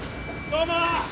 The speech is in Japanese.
・どうも！